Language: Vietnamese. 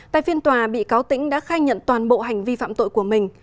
tại phiên tòa bị cáo tĩnh đã khai nhận toàn bộ hành vi phạm tội của mình